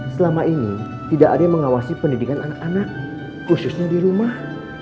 selama ini tidak ada yang mengawasi pendidikan anak anak khususnya di rumah